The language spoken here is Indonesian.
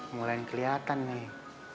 mulai kelihatan nih